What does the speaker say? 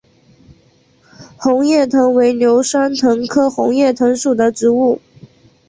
红叶藤为牛栓藤科红叶藤属的植物。